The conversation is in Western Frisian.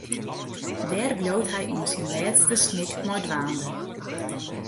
Dêr bliuwt hy oant syn lêste snik mei dwaande.